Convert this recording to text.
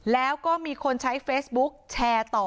แล้วก็มีคนใช้เฟซบุ๊กแชร์ต่อ